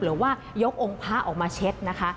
หรือว่ายกองพระออกมาเช็ดนะคะ